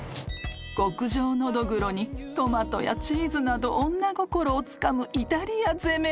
［極上ノドグロにトマトやチーズなど女心をつかむイタリア攻めのにぎり］